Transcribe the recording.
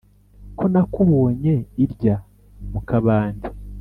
ko nakubonye irya mu kabande